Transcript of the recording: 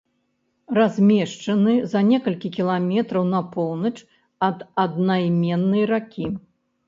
Размешчаны за некалькі кіламетраў на поўнач ад аднайменнай ракі.